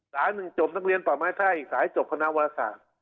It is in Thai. สายหนึ่งจบนักเรียนป่าไม้ท่าอีกสายจบคณะวรศาสตร์